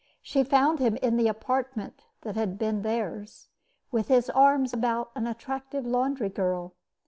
She found him in the apartment that had been theirs, with his arms about an attractive laundry girl.